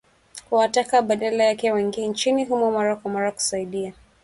kuwataka badala yake waingie nchini humo mara kwa mara kusaidia